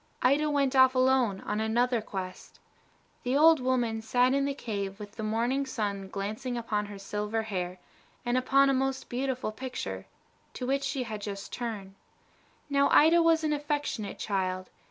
Ida went off alone on another quest. The old woman sat in the cave with the morning sun glancing upon her silver hair, and upon a most beautiful picture, to which she had just turned. Now, Ida was an affectionate child.